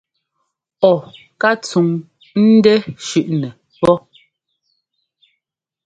Ɔ ká tsúŋ ńdɛ́ shʉʼnɛ pó.